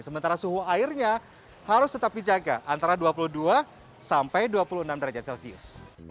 sementara suhu airnya harus tetap dijaga antara dua puluh dua sampai dua puluh enam derajat celcius